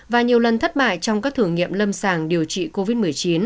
và nhiều lần thất bại trong các thử nghiệm lâm sàng điều trị covid một mươi chín